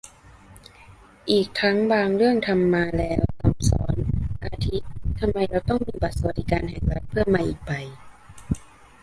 อีกทั้งบางเรื่องทำมาแล้ว ซ้ำซ้อน อาทิ ทำไมเราต้องมีบัตรสวัสดิการแห่งรัฐ เพิ่มมาอีกใบ